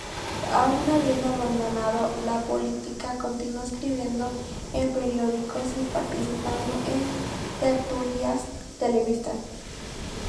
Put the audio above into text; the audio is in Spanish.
Aún habiendo abandonado la política, continuó escribiendo en periódicos y participando en tertulias televisivas.